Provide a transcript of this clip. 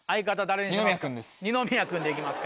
二宮君でいきますか。